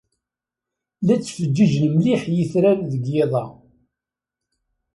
La ttfeǧǧiǧen mliḥ yitran deg yiḍ-a.